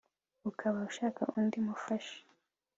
ukaba ushaka undi mufasha!